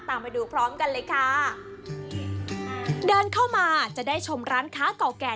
ตามไปดูพร้อมกันเลยค่ะเดินเข้ามาจะได้ชมร้านค้าเก่าแก่